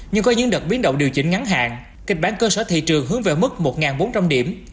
nhưng có những đợt biến động điều chỉnh ngắn hạn kịch bán cơ sở thị trường hướng về mức một bốn trăm linh điểm